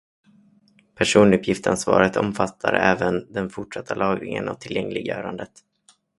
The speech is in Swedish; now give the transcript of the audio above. Personuppgiftsansvaret omfattar även den fortsatta lagringen och tillgängliggörandet.